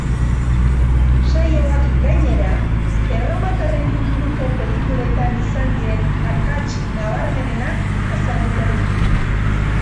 Saioak gainera, erromatarren inguruko pelikuletan izan diren akats nabarmenenak azalduko ditu.